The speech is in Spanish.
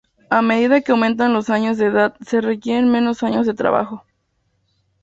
A medida que aumentan los años de edad se requieren menos años de trabajo.